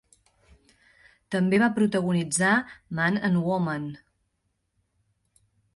També va protagonitzar "Man and Woman".